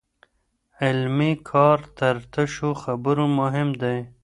عملي کار تر تشو خبرو مهم دی.